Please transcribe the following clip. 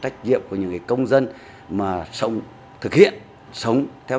chỉ đạo nâng cao